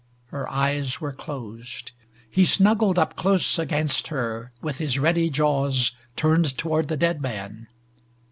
Her eyes were closed. He snuggled up close against her, with his ready jaws turned toward the dead man.